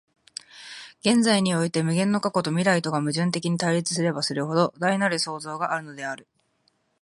現在において無限の過去と未来とが矛盾的に対立すればするほど、大なる創造があるのである。